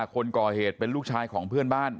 คนก่อเหตุเป็นลูกชายของเพื่อนบ้าน